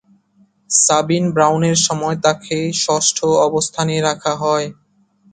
সাবিন ব্রাউনের সময় তাকে ষষ্ঠ অবস্থানে রাখা হয়।